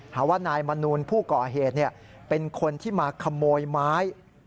หาว่านายมนูลผู้ก่อเหตุเป็นคนที่มาขโมยไม้